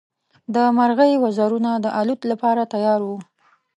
د مرغۍ وزرونه د الوت لپاره تیار وو.